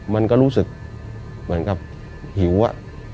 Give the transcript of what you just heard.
มันก็รู้สึกเหมือนกับหิวอะ